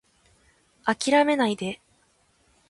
諦めないで